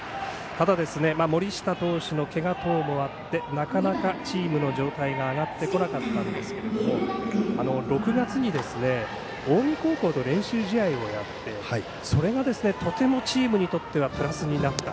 ただ、森下投手のけが等もあってなかなかチームの状態が上がってこなかったんですが６月に近江高校と練習試合をやってそれがとてもチームにとってはプラスになった。